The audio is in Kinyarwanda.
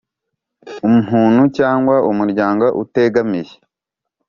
Umuntu cyangwa umuryango utegamiye